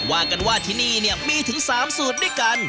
ว่ากันว่าที่นี่เนี่ยมีถึง๓สูตรด้วยกัน